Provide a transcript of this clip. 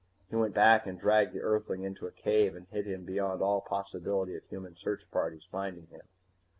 He went back and dragged the Earthling into a cave and hid him beyond all possibility of human search parties finding him.